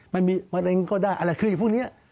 มันมีมะเร็งก็ได้อะไรคืออยู่พรุ่งนี้